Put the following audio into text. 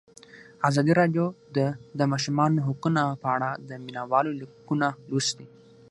ازادي راډیو د د ماشومانو حقونه په اړه د مینه والو لیکونه لوستي.